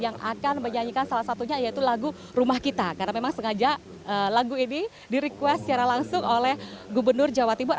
yang akan menyanyikan salah satunya yaitu lagu rumah kita karena memang sengaja lagu ini di request secara langsung oleh gubernur jawa timur